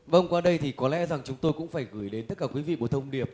vâng qua đây thì có lẽ rằng chúng tôi cũng phải gửi đến tất cả quý vị một thông điệp